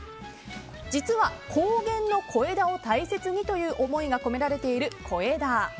実は高原の小枝を大切にという意味が込められている、小枝。